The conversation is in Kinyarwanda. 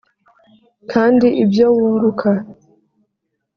kandi ibyo wunguka